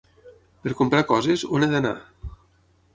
Per comprar coses, on he d'anar?